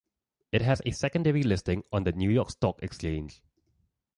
It has a secondary listing on the New York Stock Exchange.